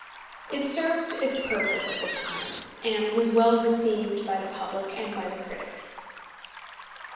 It served its purpose at the time, and was well received by the public and by the critics.